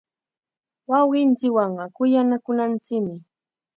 Wawqinchikwanqa kuyanakunanchikmi.